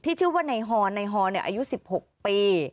ที่ชื่อว่าไนฮอร์ไนฮอร์อายุ๑๖ปี